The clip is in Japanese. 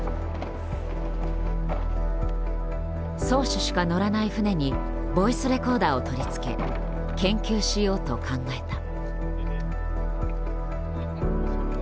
漕手しか乗らない船にボイスレコーダーを取り付け研究しようと考えた。